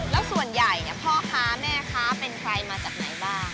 แล้วส่วนใหญ่พ่อค้าแม่ค้าเป็นใครมาจากไหนบ้าง